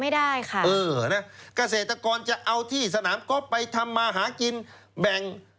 ไม่ได้ค่ะเออนะเกษตรกรจะเอาที่สนามก๊อบไปทำมาหากินแบ่ง